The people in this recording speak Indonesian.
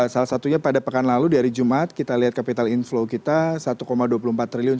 salah satunya pada pekan lalu di hari jumat kita lihat capital inflow kita satu dua puluh empat triliun